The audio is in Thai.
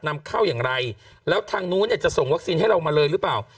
นำเข้าอย่างไรแล้วทางนู้นเนี่ยจะส่งวัคซีนให้เรามาเลยหรือเปล่า